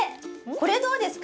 これどうですか？